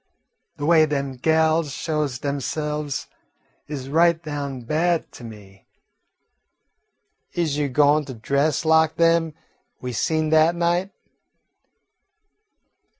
De way dem gals shows demse'ves is right down bad to me. Is you goin' to dress lak dem we seen dat night?"